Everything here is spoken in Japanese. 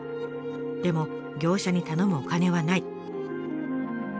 でも業者に頼むお金はない。